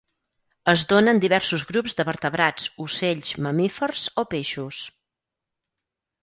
Es dóna en diversos grups de vertebrats, ocells, mamífers, o peixos.